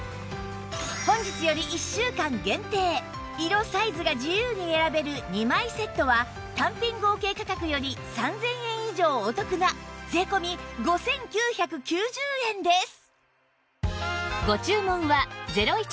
本日より１週間限定色サイズが自由に選べる２枚セットは単品合計価格より３０００円以上お得な税込５９９０円です